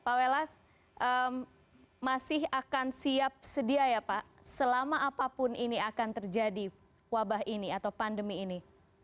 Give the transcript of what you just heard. pak welas masih akan siap sedia ya pak selama apapun ini akan terjadi wabah ini atau pandemi ini